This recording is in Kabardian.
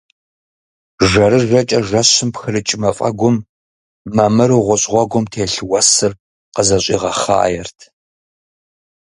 Жэрыжэкӏэ жэщым пхырыкӏ мафӏэгум, мэмыру гъущӏ гъуэгум телъ уэсыр къызэщӏигъэхъаерт.